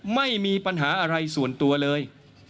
ไม่มีปัญหาอะไรส่วนตัวเลย